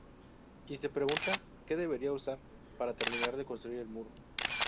Y se pregunta que debería usar para terminar de construir el muro.